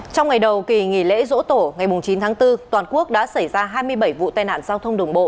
trong ngày đầu kỳ nghỉ lễ dỗ tổ ngày chín tháng bốn toàn quốc đã xảy ra hai mươi bảy vụ tai nạn giao thông đường bộ